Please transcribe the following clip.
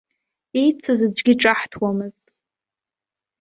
Еицыз аӡәгьы ҿаҳҭуамызт.